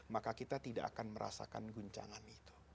maka kita tidak akan merasakan guncangan itu